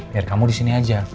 mir kamu disini aja